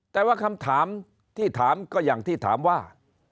แต่ว่าคำถามที่ถามก็อย่างที่ถามว่า